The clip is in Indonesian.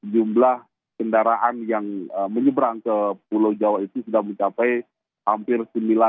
jumlah kendaraan yang menyeberang ke pulau jawa itu sudah mencapai hampir